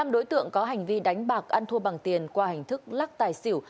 hai mươi năm đối tượng có hành vi đánh bạc ăn thua bằng tiền qua hành thức lắc tài xỉu